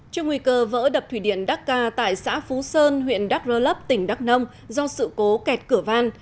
trong nguy cơ vỡ đập thủy điện đắc ca tại xã phú sơn huyện đắc rơ lấp tỉnh đắc nông do sự cố kẹt cửa van